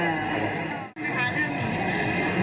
มีประทับอย่างมีไหม